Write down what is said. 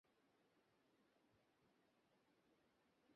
বিভা তাই দেখিয়া নিশ্বাস ফেলিয়া শুইতে যায়, সে আর আহার স্পর্শ করে না।